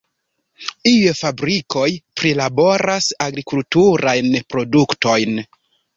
Iuj fabrikoj prilaboras agrikulturajn produktojn.